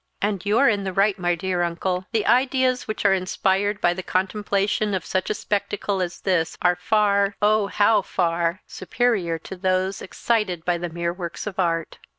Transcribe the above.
"And you are in the right, my dear uncle. The ideas which are inspired by the contemplation of such a spectacle as this are far oh, how far! superior to those excited by the mere works of art.